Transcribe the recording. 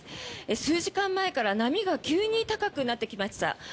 数時間前から波が急に高くなってきました。